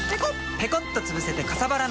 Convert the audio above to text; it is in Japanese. ペコッとつぶせてかさばらない！